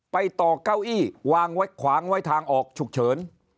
ต่อเก้าอี้วางไว้ขวางไว้ทางออกฉุกเฉิน